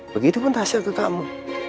begitu pun tasya ke kamu